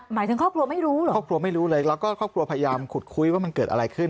ถึงครอบครัวไม่รู้เหรอครอบครัวไม่รู้เลยแล้วก็ครอบครัวพยายามขุดคุยว่ามันเกิดอะไรขึ้น